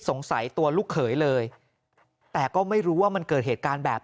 สงสัยตัวลูกเขยเลยแต่ก็ไม่รู้ว่ามันเกิดเหตุการณ์แบบ